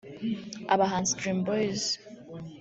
Abahanzi Dream Boys